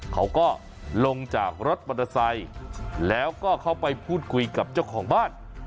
เขาก็ลงจากรถมอเตอร์ไซค์แล้วก็เข้าไปพูดคุยกับเจ้าของบ้าน